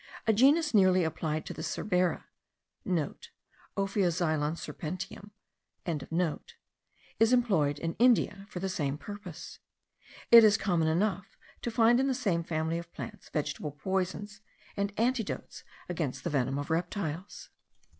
A genus nearly allied to the cerbera* (* Ophioxylon serpentinum.) is employed in India for the same purpose. It is common enough to find in the same family of plants vegetable poisons, and antidotes against the venom of reptiles.